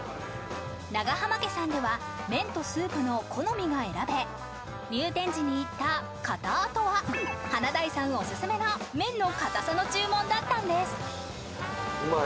長浜家さんでは麺とスープの好みが選べ入店時に言った「カター」とは華大さんおすすめの麺の硬さの注文だったんですうまい。